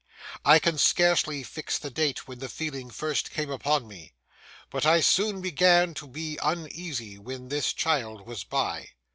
I can scarcely fix the date when the feeling first came upon me; but I soon began to be uneasy when this child was by.